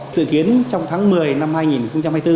sự kiến trong tháng một mươi năm hai nghìn hai mươi bốn